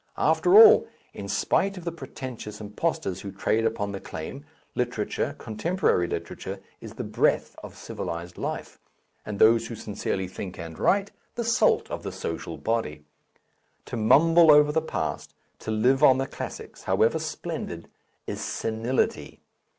After all, in spite of the pretentious impostors who trade upon the claim, literature, contemporary literature, is the breath of civilized life, and those who sincerely think and write the salt of the social body. To mumble over the past, to live on the classics, however splendid, is senility.